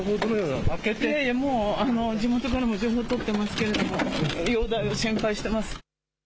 地元からも情報を取っていますけれども容体を心配しています。